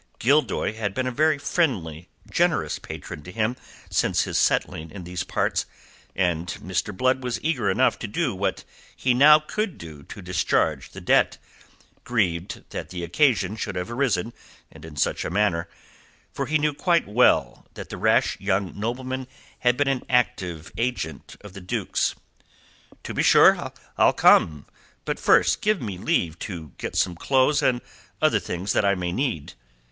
Gildoy had been a very friendly, generous patron to him since his settling in these parts. And Mr. Blood was eager enough to do what he now could to discharge the debt, grieved that the occasion should have arisen, and in such a manner for he knew quite well that the rash young nobleman had been an active agent of the Duke's. "To be sure, I'll come. But first give me leave to get some clothes and other things that I may need."